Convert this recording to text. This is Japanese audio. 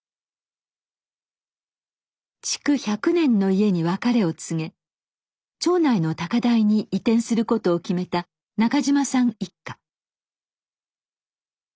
築１００年の家に別れを告げ町内の高台に移転することを決めた中島さん一家。